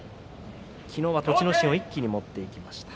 昨日は栃ノ心を一気に持っていきました。